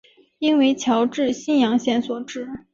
应为侨置新阳县所置。